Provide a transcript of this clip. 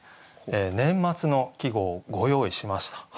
年末の季語をご用意しました。